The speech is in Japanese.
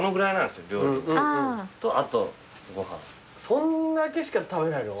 そんだけしか食べないの？